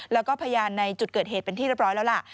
แล้วก็พยานในจุดเกิดเหตุเป็นที่เรียบร้อยแล้วล่ะ